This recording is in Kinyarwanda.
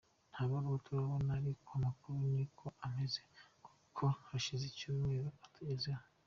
Nta baruwa turabona ariko amakuru ni uko ameze, kuko hashize icyumweru atugezeho.